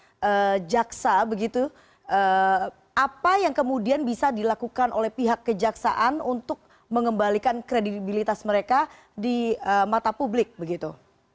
jadi kejaksaan itu apa yang kemudian bisa dilakukan oleh pihak kejaksaan untuk mengembalikan kredibilitas mereka di mata publik begitu